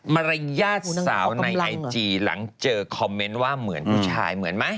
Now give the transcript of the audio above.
มารยาทสาวในไอจีหลังเจอคอมเมนต์ว่าเหมือนผู้ชายเหมือนไหม